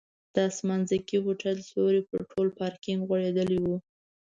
د اسمانځکي هوټل سیوری پر ټول پارکینک غوړېدلی و.